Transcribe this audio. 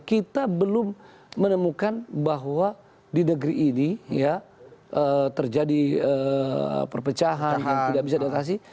kita belum menemukan bahwa di negeri ini terjadi perpecahan yang tidak bisa diatasi